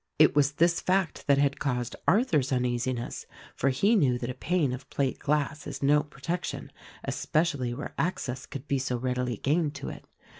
It was this fact that had caused Arthur's uneasiness ; for he knew that a pane of plate glass is no protection — especially where access could be so readily gained to it.